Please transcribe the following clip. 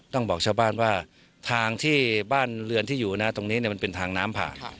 บอกชาวบ้านว่าทางที่บ้านเรือนที่อยู่นะตรงนี้มันเป็นทางน้ำผ่าน